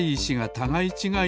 たがいちがい。